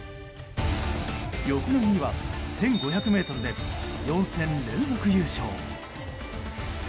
翌年には１５００ｍで４戦連続優勝。